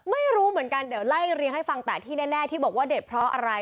ไม่รู้เหมือนกันเดี๋ยวไล่เรียงให้ฟังแต่ที่แน่ที่บอกว่าเด็ดเพราะอะไร